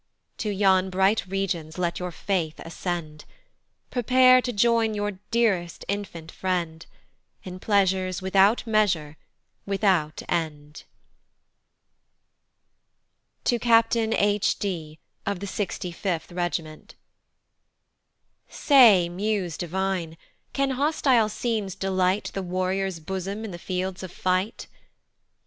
To yon bright regions let your faith ascend, Prepare to join your dearest infant friend In pleasures without measure, without end. To Captain H D, of the 65th Regiment. SAY, muse divine, can hostile scenes delight The warrior's bosom in the fields of fight?